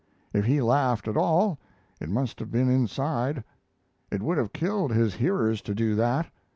If he laughed at all, it must have been inside. It would have killed his hearers to do that.